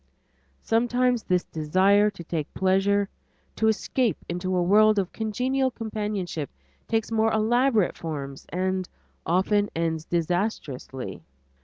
Sometimes this desire to taste pleasure, to escape into a world of congenial companionship takes more elaborate forms and often ends disastrously.